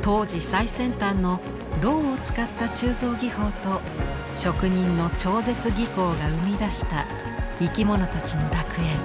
当時最先端のろうを使った鋳造技法と職人の超絶技巧が生み出した生き物たちの楽園。